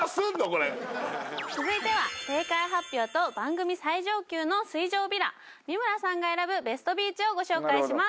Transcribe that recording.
これ続いては正解発表と番組最上級の水上ヴィラ三村さんが選ぶベストビーチをご紹介します